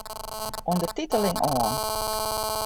Undertiteling oan.